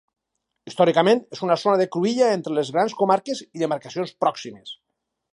Històricament és una zona de cruïlla entre les grans comarques i demarcacions pròximes.